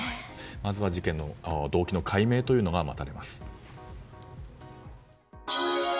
まずは事件の動機の解明が待たれます。